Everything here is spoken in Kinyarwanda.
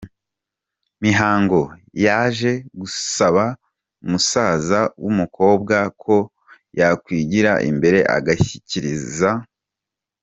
mihango yaje gusaba musaza wumukobwa ko yakwigira imbere agashyikiriza.